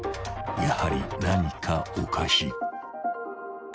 ［やはり何かおかしい］